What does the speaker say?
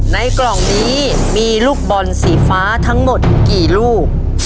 ในกล่องนี้มีลูกบอลสีฟ้าทั้งหมดกี่ลูก